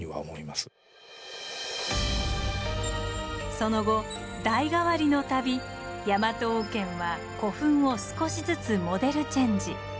その後代替わりの度ヤマト王権は古墳を少しずつモデルチェンジ。